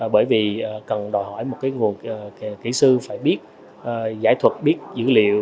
bởi vì cần đòi hỏi một nguồn kỹ sư phải biết giải thuật biết dữ liệu